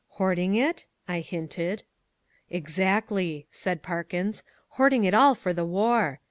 "Hoarding it?" I hinted. "Exactly," said Parkins, "hoarding it all for the war.